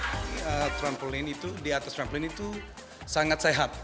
jadi trampolin itu di atas trampolin itu sangat sehat